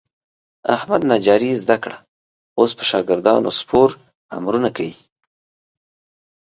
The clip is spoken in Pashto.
احمد نجاري زده کړه. اوس په شاګردانو سپور امرونه کوي.